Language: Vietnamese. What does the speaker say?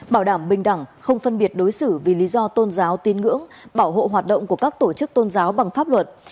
bảo đảm bình đẳng không phân biệt đối xử vì lý do tôn giáo tin ngưỡng bảo hộ hoạt động của các tổ chức tôn giáo bằng pháp luật